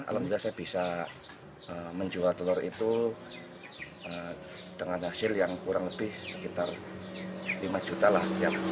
alhamdulillah saya bisa menjual telur itu dengan hasil yang kurang lebih sekitar lima juta lah